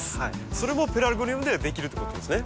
それもペラルゴニウムでできるってことですね。